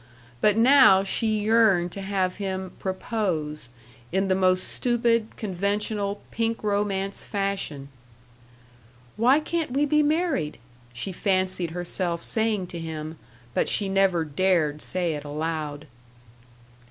But now she yearned to have him "propose," in the most stupid, conventional, pink romance fashion. "Why can't we be married?" she fancied herself saying to him, but she never dared say it aloud.